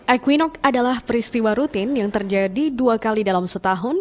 equinox adalah peristiwa rutin yang terjadi dua kali dalam setahun